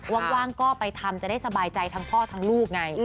ว่างก็ไปทำจะได้สบายใจทั้งพ่อทั้งลูกไง